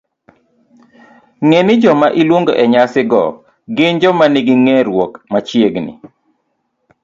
Ng'e ni joma iluongo e nyasi go gin joma nigi ng'eruok machiegni